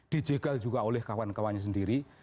dijegal juga oleh kawan kawannya sendiri